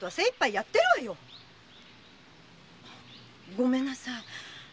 ごめんなさい。